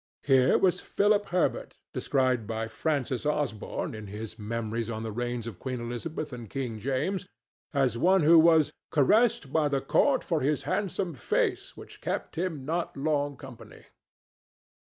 Here was Philip Herbert, described by Francis Osborne, in his Memoires on the Reigns of Queen Elizabeth and King James, as one who was "caressed by the Court for his handsome face, which kept him not long company."